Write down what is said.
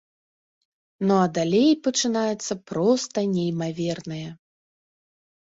Ну а далей пачынаецца проста неймавернае.